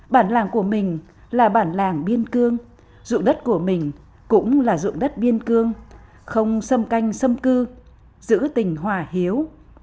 bản làng của mình là bản làng biên cương dụng đất của mình cũng là ruộng đất biên cương không xâm canh xâm cư giữ tình hòa hiếu